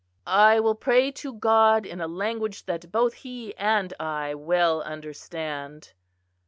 "I will pray to God in a language that both He and I well understand."